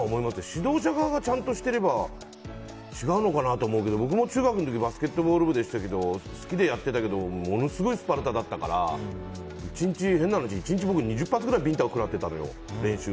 指導者側がちゃんとしていれば違うのかなと思うけど僕も中学の時バスケットボール部でしたけど好きでやっていたけどものすごいスパルタだったけど１日、僕は練習で２０発ぐらいビンタをくらってたのよ。